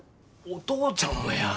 お父ちゃんもや。